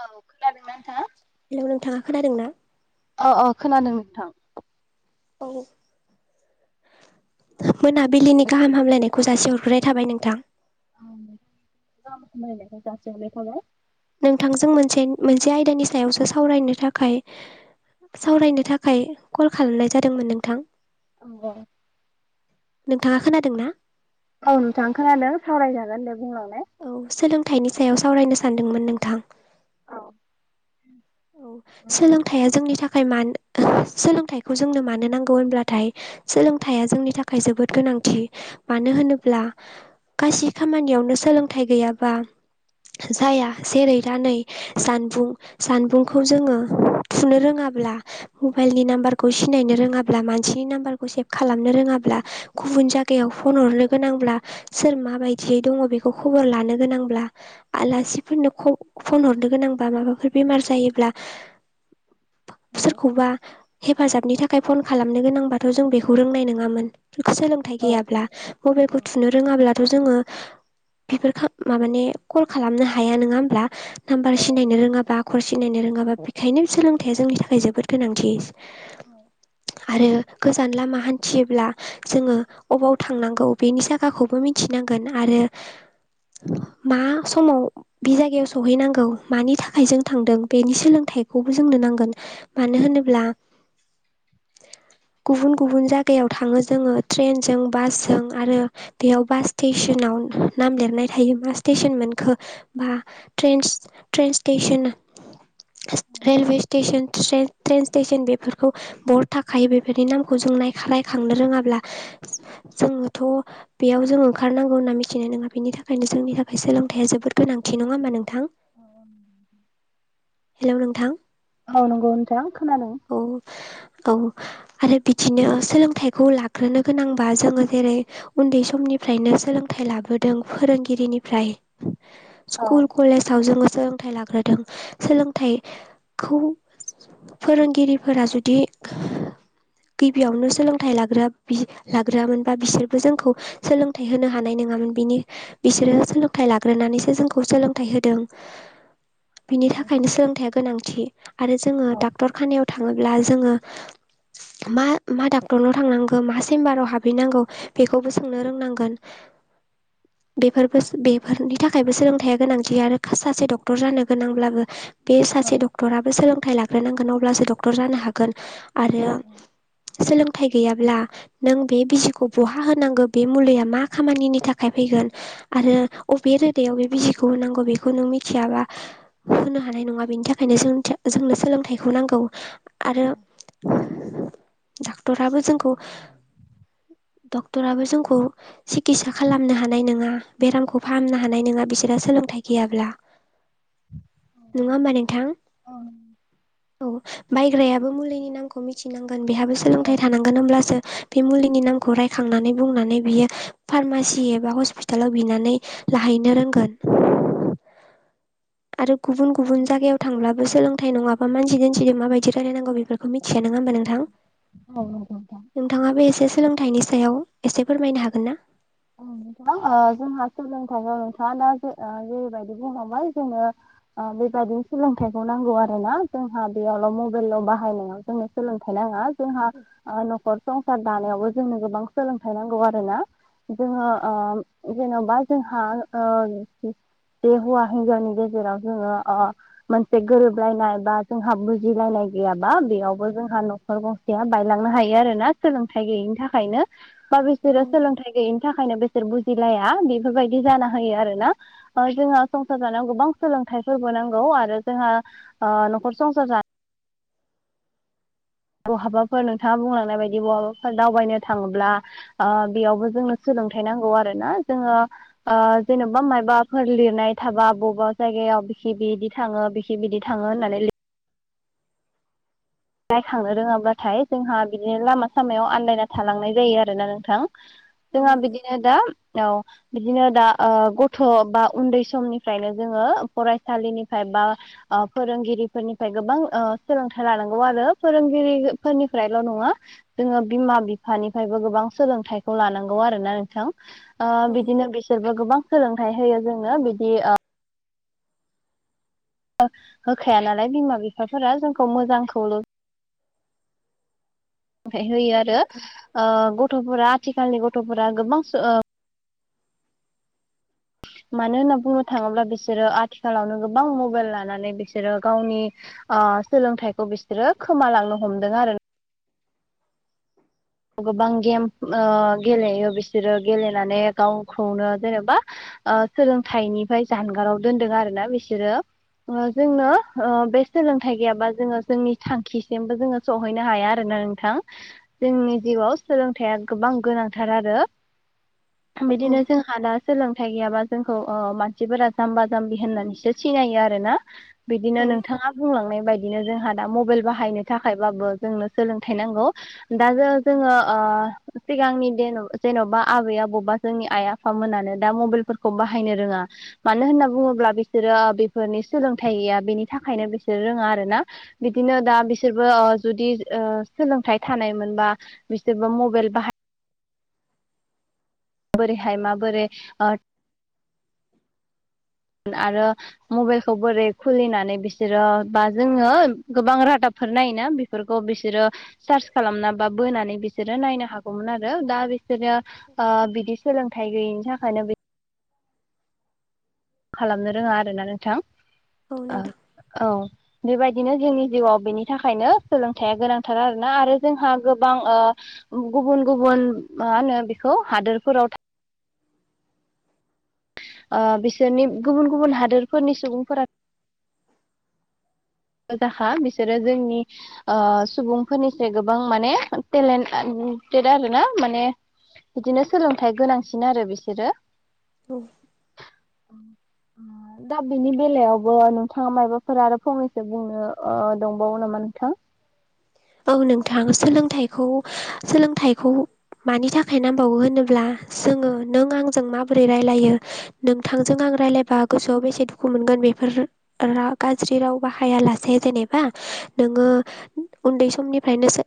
औ खोनादोंना नोंथाङा? हेल' नोंथाङा खोनादों ना अ अ खोनादों नोंथां औ मोनाबिलिनि गाहाम हामलायनायखौ जासि हरग्रोनाय थाबाय नोंथां औ हामलायनायखौ जासिहरनाय थाबाय नोंथांजों मोनसे मोनसे आयदानि सायावसो सावरायनो थाखाय सावरायनो थाखाय कल खालामनाय जादोंमोन नोंथां औ नोंथाङा खोनादों ना औ नोंथां खोनादों सावरायजागोन दे बुंलाय औ सोलोंथाइनि सायाव सावरायनो सानदोंमोन नोंथां औ औ सोलोंथाइया जोंनि थाखाय थाखाय मानो सोलोंथाइखौ जोंनो मानो नांगौ होनब्लाथाय सोलोंथाइया जोंनि थाखाय जोबोद गोनां थि मानो होनोब्ला गासै खामानियावनो सोलोंथाइ गैयाबा जाया जेरै दा नै जानबुं जानबुं खौ जोङो थुनो रोङाब्ला मबाइलनि नाम्बारखौ सिनायनो रोङाब्ला मानसिनि नाम्बारखौ सेभ खालामनो रोङाब्ला गुबुन जायगायाव फन हरनो गोनांब्ला सोर माबायदियै दंङ बेखौ खबर लानो गोनांब्ला आलासि फोरनो फन हरनो गोनांबा माबाफोर बेमार जायो ब्ला सोरखौबा हेफाजाबनि थाखाय फन खालामनो गोनांबाथ' जों बेखौ रोंनाय नङामोन सोलोंथाइ गैयाब्ला मबाइलखौ थुनो रोङाब्लाथ' जोङो बेफोर माबानि कल खालामनो हाया नङा होमब्ला नाम्बार सिनायनो रोङाबा सिनायनो रोङाबा बेखायनो सोलोंथाइया जोंनि थाखाय जोबोद गोनांथि औ ओ गोजान लामा हान्थियोब्ला जोङो अबाव थांनांगौ बेनि जायगाखौबो मिथिनांगोन आरो मा समाव बे जायगायाव सहैनांगौ मानि थाखाय जों थांदों बेनि सोलोंथायखौबो जोंनो नांगोन मानो होनोब्ला गुबुन गुबुन जायगायाव थाङो जोङो ट्रेनजों बासजों आरो बेयाव बास स्टेसन आव नाम लिरनाय थायोबा स्टेसन मोनखो बा ट्रेन स्टेसन रेलवे स्टेसन ट्रे ट्रेन स्टेसन बेफोरखौ बरड थाखायो बेफोरनि नामखौ जों नायखा नायखांनो रोङाब्ला जोङोथ' बेयाव जों ओंखारनांगौ होनना मिथिनाय नङा बेनि थाखायनो जोंनि थाखाय सोलोंथाइया जोबोद गोनां थि नङा होमबा नोंथां? [unintelligible] हेल' नोंथां। औ नंगौ नोंथां खोनादों। औ औ आरो बिदिनो सोलोंथाइखौ लाग्रोनो गोनांबा जोङो जेरै उन्दै समनि निफ्रायनो सोलोंथाइ लाबोदों फोरोंगिरिनिफ्राय औ स्कुल कलेजाव जोङो सोलोंथाइ लाग्रोदों। सोलोंथाइ खौ फोरोंगिरिफोरा जुदि गिबियावनो सोलोंथाइ लाग्रोआ बि लाग्रोयामोनबा बिसोरबो जोंखौ सोलोंथाइ होनो हानाय नङामोन बिनि बिसोरो सोलोंथाइ लाग्रोनानैसो जोंखौ सोलोंथाइ होदों। बिनि औ थाखायनो सोलोंथाइया गोनांथि आरो जोङो औ डाक्टार खानायाव थाङोब्ला जोङो मा मा डाक्टरनाव थांनांगौ मा चेम्बाराव हाबहैनांगौ बेखौबो सोंनो रोंनांगोन। बेफोरबो बेफोरनि थाखायबो सोलोंथाइया गोनांथि आरो सासे डक - टर जानो गोनांब्लाबो बे औ सासे डक्टराबो सोलों थाइ लाग्रोनांगोन अब्लासो डक्टर जानो हागोन आरो सोलों थाइ गैयाब्ला नों बे बिजिखौ बहा होनांगौ बे मुलिया मा खामानिनि थाखाय फैगोन आरो अबे रोदायाव बे बिजिखौ होनांगौ बेखौ नों मि थियाबा होनो हानाय नङा। बेनि थाखायनो जों जोंनो सोलोंथाइखौ नांगौ औ आरो डक्टराबो जोंखौ डक्टराबो जोंखौ सिकितसा खालामनो हानाय नङा बेरामखौ फाहामनो हानाय नङा बिसोरहा सोलोंथाइ गैयाब्ला। नङा होमबा नोंथां औ [unintelligible] बायग्रायाबो मुलिनि नामखौ मिथिनांगोन बेहाबो सोलोंथाइ थानांगोन होनब्लासो बे मुलिनि नामखौ रायखांनानै बुंनानै बियो फार्मासि एबा हस्पितालाव बिनानै लायनो रोंगोन आरो गुबुन गुबुन जायगायाव थांब्लाबो सोलों थाइ नङाबा मानसि दोमसिजों माबायदि रायलायनांगौ बेफोरखौ मि थिया नङा होमबा नोंथां? नंगौ नोंथां। नोंथाङाबो एसे सोलोंथाइनि सायाव एसे फोरमायनो हा गोनना? औ नोंथां ओ जोंहा सोलोंथायाव नोंथाङा दा जा ओ जेरैबायदि बुंलांबाय जोंङो ओ बेबादिनो सोलोंथाइखौ नांगौ आरो ना जोंहा बेयावल मबाइलल बाहायनायाव जोंनो सोलोंथाइ नाङा जोंहा ओ नखर संसार दानायावबो जोंनो गोबां सोलोंथाइ नांगौ आरो ना? जोङो ओ जेनबा जोंहा ओ बे हौवा हिनजावनि गेजेराव जोङो ओ मोनसे गोरोबलायनाय बा जोंहा बुजिलायनाय गैयाबा बेयावबो जोंहा नखर गंसेया बायलांनो हायो आरोना सोलोंथाइ गैयैनि थाखायनो बा औ बिसोरो सोलोंथाइ गैयिनि थाखायनो बिसोर बुजिलाया बेफोरबायदि जाना होयो आरोना। जोंहा संसार जानायाव गोबां सोलोंथाइफोरबो नांगौ आरो जोंहा ओ नखर संसार जा बहाबाफोर नोंथाङा बुंलांनाय बायदि बहाबाफोर दावबायनो थाङोब्ला आ बेयावबो जोंनो सो लोंथाइ नांगौ आरोना। जोङो ओ जेनबा माबाफोर लिरनाय थाबा बबेबा जायगा याव बिखि बिदि थाङो बिखि बिदि थाङो होननानै लिर नायखांनो रोङाब्लाथाय जोंहा बिदिनो लामा सामायाव आन्दायना थालांनाय जायो आरोना नोंथां। औ जोंहा बिदिनो दा औ बिदिनो दा ओ गथ' बा उन्दै समनिफ्रायनो जोङो फरायसालिनिफ्राय बा ओ फोरोंगिरिफोरनि गोबां ओ सोलोंथाइ लानां गौ आरो फोरोंगिरि फोरनिफ्रायल नङा जोङो बिमा बिफानिफ्रायबो गोबां सोलोंथाइखौ लानांगौ आरो ना नोंथां। आ औ बिदिनो बिसोरबो गोबां सोलोंथाइ होयो जोंनो बिदि आ होखाया नालाय बिमा बिफाफोरा जोंखौ मोजांखौल ओमफ्राय होयो औ आरो नोंथां ओ गथ'फोरा आथिखालनि गथ'फोरा गोबां ओ मानो होनना बुंनो थाङोब्ला बिसोरो आथिखालावनो गोबां मबाइल लानानै बिसोरो गावनि आ सोलोंथाइखौ बिसोरो खोमालांनो हमदों आरो [inaudible] गोबां गेम ओ गेलेयो बिसोरो गेलेनानै गावखौनो जेनेबा ओ सोलोंथाइनिफ्राय जानगाराव दोनदों आरो ना बिसोरो जोंनो ओ बे सोलोंथाइ गैयाबा जोङो जोंनि थांखिसिमबो जोङो सहैनो हाया आरोना नोंथां जोंनि औ जिउआव सोलोंथाइया गोबां गोनांथार आरो बिदिनो जोंहा दा सोलोंथाइ गैयाबा जोंखौ मानसिफोरा जाम्बा जाम्बि होननानैसो सिनायो आरो ना बिदिनो औ नोंथाङा बुंलांनाय बायदि बिदिनो जोंहा दा मबाइल बाहायनो थाखायबाबो जोंनो सोलोंथाइ नांगौ दा जों जोङो सिगांनिन' जेन'बा आबै आबावबा जोंनि आइ आफामोनानो दा मबाइल फोरखौ बाहायनो रोङा मानो होनना बुङोब्ला बिसोरो बेफोरनि सोलोंथाइ गैया बेनि थाखायनो बिसोर बिसोर रोङा आरो ना बिदिनो दा बिसोरबो जुदि सोलोंथाइ थानायमोनबा बिसोरबा मबाइल बाहाय माबोरैहाय माबोरै आरो मबाइलखौ बोरै खुलिनानै बिसोरो बा जोङो गोबां रादाब फोर नाय ना बेफोरखौ बिसोरो सार्च खालामना बा बोनानै बिसोरो नायनो हागौमोन आरो दा बि बिसोनो बिदि सोलोंथाइ गैयिनि थाखायनो बि खालामनो रोङा आरोना नोंथां औ नोंथां औ बेबायदिनो जोंनि जिउआव बेनि थाखायनो सोलोंथाइया गोनांथार आरोना आरो जोंहा गोबां गुबुन गुबुन मा होनो बेखौ हादोरफोराव थ बिसोरनि गुबुन गुबुन हादोरफोरनि सुबुंफोरा जाखा बिसोरो जोंनि सुबुंफोरनिस गोबां माने टेलेन्ट दे आर ना माने बिदिनो सोलोंथाइ गोनांसिन आरो बिसोरो औ। दा बिनि बेलायावबो नोंथाङा मायबाफोरा आरो फंनै बुंनो दंबावो नामा नोंथां। औ नोंथां सोलोंथाइखौ सोलोंथाइखौ मानि थाखाय नांबावो होनोब्ला जोङो नों आंजों माबोरै रायलायो नोंथांजों आं आं रायलायबा गोसोआव बेसे दुखु मोनगोन बेफोर गाज्रि राव बाहायालासे जेनेबा नोङो उन्दै समनिफ्रायनोसो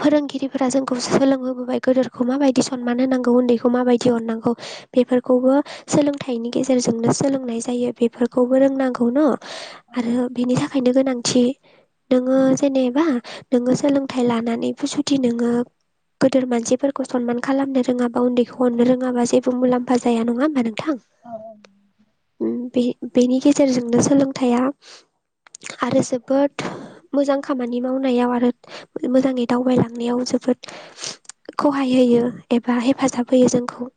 फोरोंगिरिफोरा जोंखौ सोलोंहबोबाय गोदोरखौ माबायदि सनमान होनांगौ उन्दैखौ माबायदि अननांगौ। बेफोरखौबो सोलोंथाइनि गेजेरजोंनो सोलोंनाय जायो बेफोरखौबो रोंनांगौ न' आरो बेनि थाखायनो गोनांथि नोङो जेनेबा नोङो सोलोंथाइ लानानै फसुथि नोङो गोदोर मानसिफोरखौ सनमान खालामनो रोङाबा उन्दैखौ हरनो रोङाबा जेबो मुलाम्फा जाया नङा होमबा नोंथां। औ बेनि गेजेरजोंनो सोलोंथाइया आरो जोबोद मोजां। खामानि मावनायाव आरो मोजाङै दावबायलांनायाव जोबोद खहाय होयो एबा हेफाजाब होयो जोंखौ।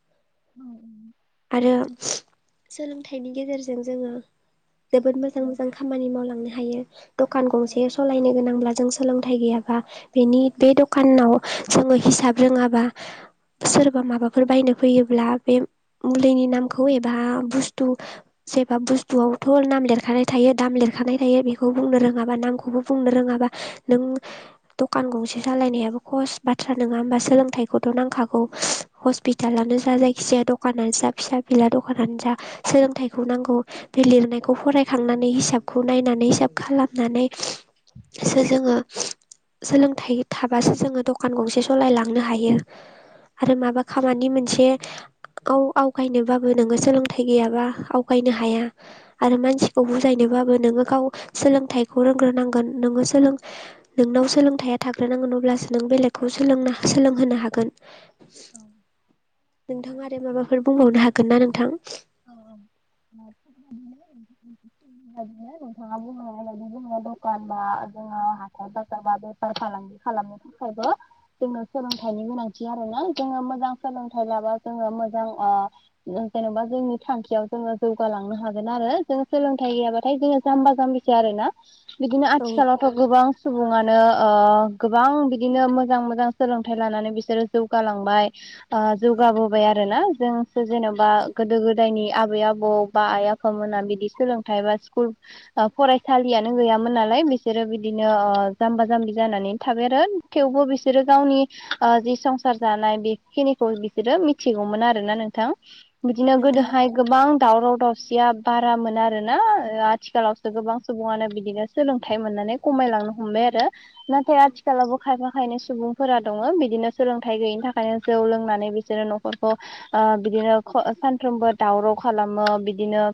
औ। आरो सोलोंथाइनि गेजेरजों जोङो जोबोद मोजां मोजां खामानि मावलांनो हायो दखान गंसे सालायनो नां जों सोलोंथाइ गैयाबा बेनि बे दखानाव जोङो हिसाब रोङाबा सोरबा माबाफोर बायनो फैयोब्ला बे मुलिनि नामखौ एबा बुस्थु जेबा बुस्थुआवथ' नाम लिरखानाय थायो दाम लिर थायो बेखौ बुंनो रोङाबा नामखौबो बुंनो रोङाबा नों दखान गंसे सालायनायाबो खहस बाथ्रा नङा होमबा सोलोंथाइखौथ' नांगौ। खागौ हस्पिटालानो जा, जायखिजाया दखानानो जा, फिसा-फिला दखानानो जा। सोलोंथाइखौ नांगौ बे लिरनाय। खौ फरायखांनानै हिसाबखौ नायनानै हिसाब खालामनानै सो जोङो। सोलोंथाइ थाबासो जोङो दकान गंसे सलायलांनो हायो। आरो माबा खामानि मोनसे। औ आवगायनोबाबो नोङो सोलोंथाइ गैयाबा आवगायनो हाया। आरो मानसिखौ बुजायनोबाबो नोङो गाव सोलोंथाइखौ रोंग्रोनांगोन। नोङो सोलों नोंनाव सोलोंथायाइया थाग्रोनांगोन अब्लासो नों बेलेगखौ सोलोंनो-सोलोंहोनो हागोन। नोंथां आरो माबाफोर बुंबावनो हागोन ना नोंथां? औ-औ। [unintelligible] नोंथाङा बुंलांनाय बादिनो दकान बा। जोंहा हाथाइ-बाजार बा, बेफार-फालांगि खालामनो थाखायबो जोंनो सोलोंथाइनि गोनांथि आरो। जोङो मोजां सोलोंथाइ लाबा जोङो मोजां ओ जेनेबा। जोंनि थांखियाव जोङो जौगालांनो हागोन आरो जों सोलोंथाइ गैयाबाथाय जोङो जाम्बा-जाम्बिसो आरो ना। बिदिनो औ आथिखालावथ' गोबां। सुबुङानो ओ गोबां बिदिनो मोजां-मोजां सोलोंथाइ लानानै बिसोरो जौगालांबाय। ओ जौगाबोबाय आरो ना जोंसो जेन'बा। गोदो-गोदायनि आबै-आबौ बा आइ-आफामोना बिदि सोलोंथाइ बा स्कुल फरायसालियाव। नो गैयामोन नालाय बिसोरो बिदिनो ओ जाम्बा-जाम्बि जानानै थाबाय आरो। थेवबो बिसोरो गावनि। ओ जि संसार जानाय बेखिनिखौ बिसोरो मिथिगौमोन आरो ना नोंथां। औ बिदिनो नोंथां गोदोहाय गोबां। दावराव-दावसिया बारा मोन आरोना आथिखालावसो गोबां सुबुङानो बिदिनो सोलोंथाइ मोनो। खमायलांनो हमबाय आरो नाथाय आथिखालावबो खायफा-खायनै सुबुंफोरा दङ' बिदिनो सोंलोंथाइ। गैयिनि थाखायनो जौ लोंनानै बिसोरो न'खरखौ ओ बिदिनो। ख ओ सानफ्रोमबो दावराव खालामो बिदिनो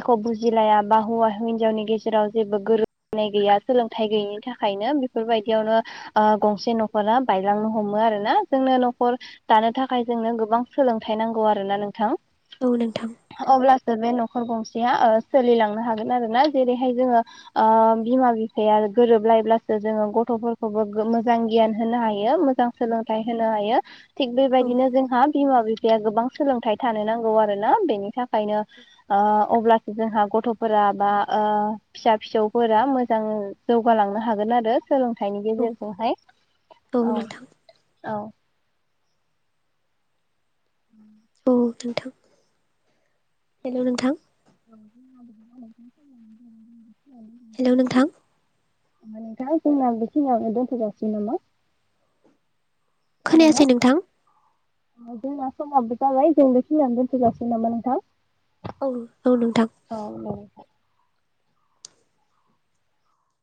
एख' बुजिलायाबा हौवा-हिनजावनि गेजेराव। गेजेराव जेबो गोरोब। नाय गैया सोलोंथाइ गैयिनि थाखायनो बेफोरबायदियावनो गंसे न'खरा ओ बायलांनो हमो। आरोना जोंनो न'खर दानो थाखाय जोंनो गोबां सोलोंथाइ नांगौ आरोना नों। थां औ नोंथां अब्लासो बे न'ख। न'खर गंसेआ ओ सोलिलांनो हागोन आरो ना जेरैहाय जोङो ओ बिमा-बिफाया गोरोब। अब्लासो जोङो गथ'फोरखौबो मोजां गियान होनो हायो मोजां सोलोंथाइ होनो हायो। थिग औ बेबायदिनो जोंहा बिमा-बिफाया गोबां सोलोंथाइ। थानो नांगौ आरो ना बेनि थाखायनो ओ अब्लासो जोंहा गथ'फोरा बा ओ। फिसा-फिसौफोरा मोजां जौगालांनो हागोन आरो। सोलोंथाइनि औ गेजेरजोंहाय औ नोंथां औ-औ। औ नोंथां हेलौ! नोंथां। [inaudible] हेल' नोंथां जोंना बेखिनियावनो दोनथ'जासिगोन नामा? जादोंना खोनायासै नोंथां? जोंना समाबो जाबाय जों बे खिनियावनो दोनथ'जासिगोन नामा नोंथां? औ-औ नोंथां। औ औ